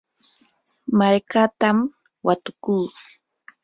markatam watukuu.